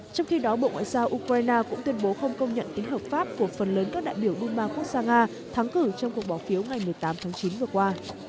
trong khi đó bộ ngoại giao ukraine cũng tuyên bố không công nhận tính hợp pháp của phần lớn các đại biểu duma quốc gia nga thắng cử trong cuộc bỏ phiếu ngày một mươi tám tháng chín vừa qua